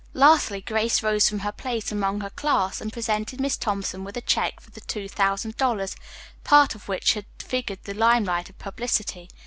Lastly, Grace rose from her place among her class and presented Miss Thompson with a check for the two thousand dollars, part of which had figured in the limelight of publicity.